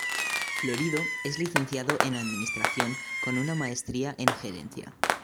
Florido es licenciado en administración con una maestría en gerencia.